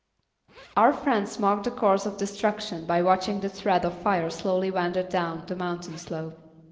Our friends marked the course of destruction by watching the thread of fire slowly wander down the mountain slope.